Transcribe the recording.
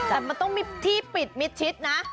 แต่มันต้องมีที่ปิดมิดชิดนะ